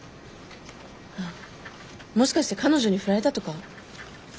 あもしかして彼女に振られたとか？